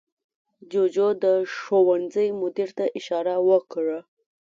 جوجو د ښوونځي مدیر ته اشاره وکړه.